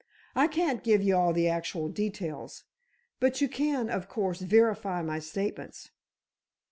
I can't give you all the actual details, but you can, of course, verify my statements."